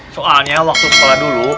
soalnya waktu sekolah dulu